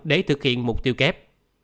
để thực hiện mục tiêu kép